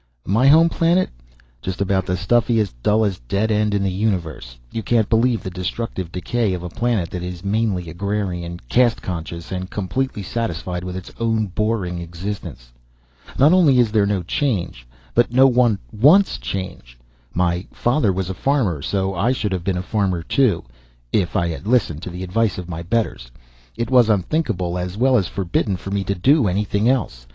"My home planet? Just about the stuffiest, dullest, dead end in the universe. You can't believe the destructive decay of a planet that is mainly agrarian, caste conscious and completely satisfied with its own boring existence. Not only is there no change but no one wants change. My father was a farmer, so I should have been a farmer too if I had listened to the advice of my betters. It was unthinkable, as well as forbidden for me to do anything else.